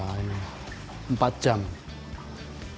pokoknya empat jam rebus empat jam ini bakar juga empat jam